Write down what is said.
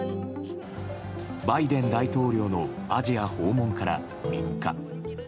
バイデン大統領のアジア訪問から３日。